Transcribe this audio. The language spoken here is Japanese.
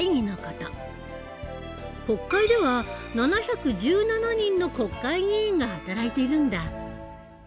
国会では７１７人の国会議員が働いているんだ。